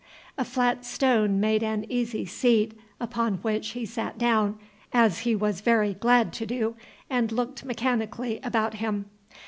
A flat stone made an easy seat, upon which he sat down, as he was very glad to do, and looked mechanically about him.